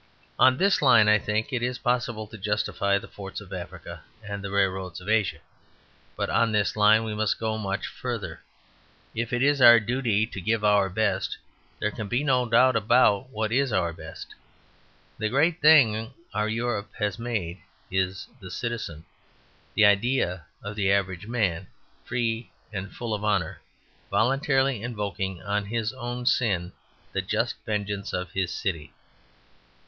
On this line, I think, it is possible to justify the forts of Africa and the railroads of Asia; but on this line we must go much further. If it is our duty to give our best, there can be no doubt about what is our best. The greatest thing our Europe has made is the Citizen: the idea of the average man, free and full of honour, voluntarily invoking on his own sin the just vengeance of his city.